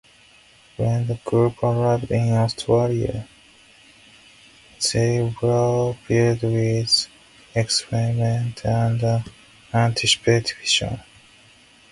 When the group arrived in Australia, they were filled with excitement and anticipation.